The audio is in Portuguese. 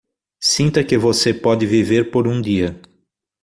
Sinta que você pode viver por um dia